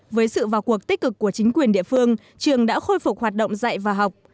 với sự vào cuộc tích cực của chính quyền địa phương trường đã khôi phục hoạt động dạy và học